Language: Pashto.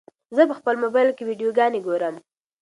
زه په خپل موبایل کې ویډیوګانې ګورم.